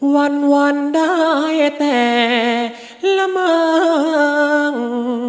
วันได้แต่ละมั้ง